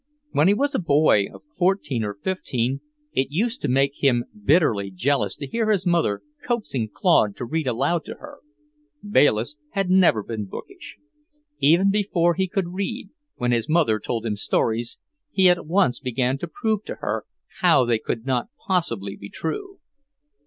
When he was a boy of fourteen or fifteen, it used to make him bitterly jealous to hear his mother coaxing Claude to read aloud to her. Bayliss had never been bookish. Even before he could read, when his mother told him stories, he at once began to prove to her how they could not possibly be true.